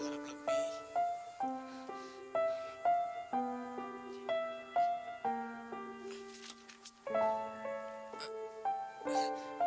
tuhan saya berharap lebih